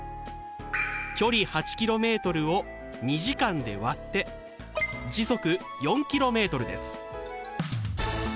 距離８ｋｍを２時間で割って時速４ｋｍです。